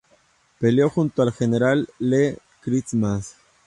Peleó junto al General Lee Christmas.